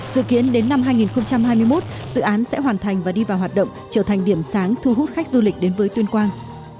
dự kiến đến năm hai nghìn hai mươi một dự án sẽ hoàn thành và đi vào hoạt động trở thành điểm sáng thu hút khách du lịch đến với tuyên quang